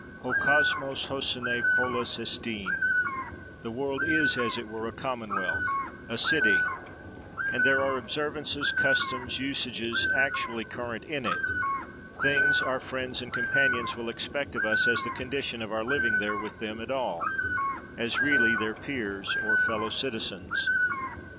Ho kosmos hôsanei polis estin+—the world is as it were a commonwealth, a city: and there are observances, customs, usages, actually current in it, things our friends and companions will expect of us, as the condition of our living there with them at all, as really their peers or fellow citizens.